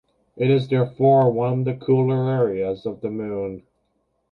It is therefore one of the cooler areas of the Moon.